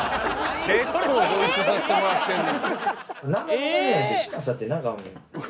結構ご一緒させてもらってるのに。